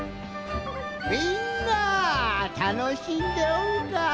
みんなたのしんでおるか。